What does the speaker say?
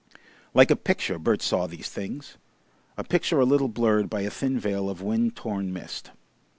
Like a picture Bert saw these things, a picture a little blurred by a thin veil of wind torn mist.